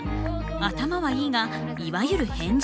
頭はいいがいわゆる変人。